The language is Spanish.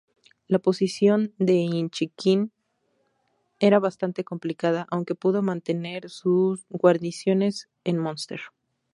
La posición de Inchiquin era bastante complicada, aunque pudo mantener sus guarniciones en Munster.